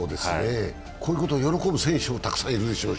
こういうこと喜ぶ選手もたくさんいるでしょうし。